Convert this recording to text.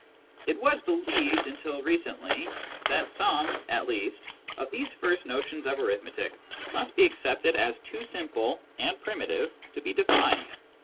It was believed until recently that some, at least, of these first notions of arithmetic must be accepted as too simple and primitive to be defined.